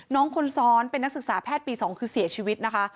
น้องคนซ้อนเป็นนักศึกษาแพทย์ปี๒คือเสียชีวิตนะคะ